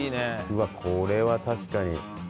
うわっこれは確かに。